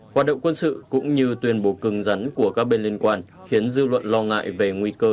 hoạt động quân sự cũng như tuyên bố cứng rắn của các bên liên quan khiến dư luận lo ngại về nguy cơ